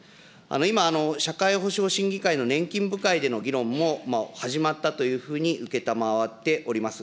今、社会保障審議会の年金部会での議論も始まったというふうに承っております。